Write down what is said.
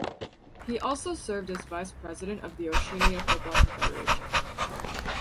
He also served as vice president of the Oceania Football Confederation.